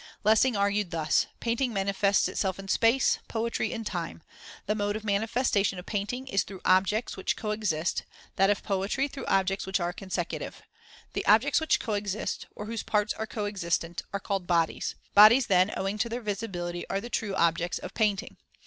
Lessing argued thus: Painting manifests itself in space, poetry in time: the mode of manifestation of painting is through objects which coexist, that of poetry through objects which are consecutive. The objects which coexist, or whose parts are coexistent, are called bodies. Bodies, then, owing to their visibility, are the true objects of painting.